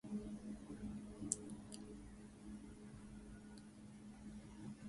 kuanzia Aprili sita, bei ya petroli na dizeli iliongezeka kwa shilingi mia tatu ishirini na moja za Tanzania (Dola sufuri).